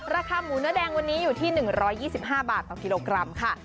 ราคาหมูเนื้อแดงวันนี้อยู่ที่๑๒๕บาทต่อกิโลกรัมค่ะ